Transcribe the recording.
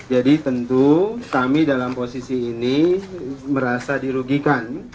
jadi tentu kami dalam posisi ini merasa dirugikan